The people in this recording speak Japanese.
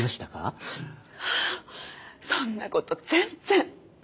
そんなこと全然。